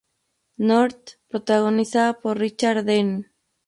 North", protagonizada por Richard Denning.